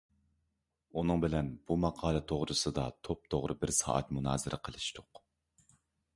ئۇنىڭ بىلەن بۇ ماقالە توغرىسىدا توپتوغرا بىر سائەت مۇنازىرە قىلىشتۇق.